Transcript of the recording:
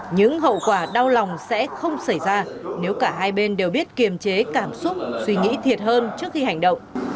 những hậu quả đau lòng sẽ không xảy ra nếu cả hai bên đều biết kiềm chế cảm xúc suy nghĩ thiệt hơn trước khi hành động